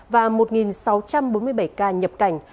và một sáu trăm bốn mươi bảy ca nhập cảnh